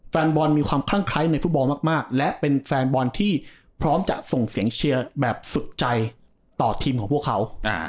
แฟนบอลมีความคลั่งไคร้ในฟุตบอลมากและเป็นแฟนบอลที่พร้อมจะส่งเสียงเชียร์แบบสุดใจต่อทีมของพวกเขา